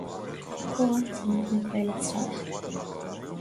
A chomhaltaí na Comhairle Stáit